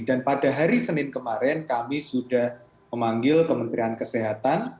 dan pada hari senin kemarin kami sudah memanggil kementerian kesehatan